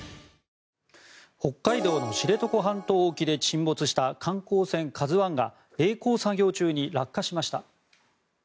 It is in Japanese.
北海道の知床半島沖で沈没した観光船「ＫＡＺＵ１」がえい航作業中に落下しました。